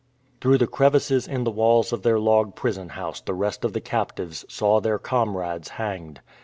Through the crevices in the walls of their log prison house the rest of the captives saw their comrades hanged.